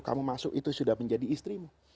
kamu masuk itu sudah menjadi istrimu